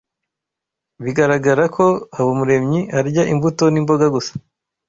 Bigaragara ko Habumuremyi arya imbuto n'imboga gusa